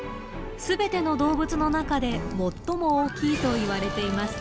すべての動物の中で最も大きいといわれています。